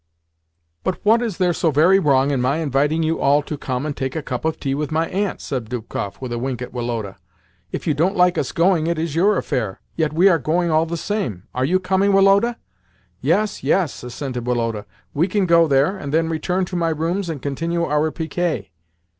"But what is there so very wrong in my inviting you all to come and take a cup of tea with my Aunt?" said Dubkoff, with a wink at Woloda. "If you don't like us going, it is your affair; yet we are going all the same. Are you coming, Woloda?" "Yes, yes," assented Woloda. "We can go there, and then return to my rooms and continue our piquet."